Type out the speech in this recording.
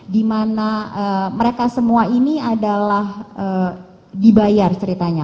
dimana mereka semua ini adalah dibayar ceritanya